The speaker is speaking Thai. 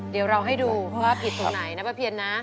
เดี๋ยวเราให้ดูว่าผิดตรงไหนนะป้าเพียนนะ